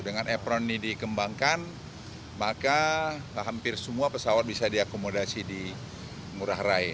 dengan apron ini dikembangkan maka hampir semua pesawat bisa diakomodasi di ngurah rai